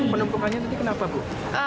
penumpukannya tadi kenapa bu